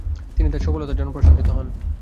তিনি তার সফলতার জন্য প্রশংসিত হন।